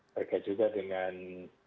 mereka juga dengan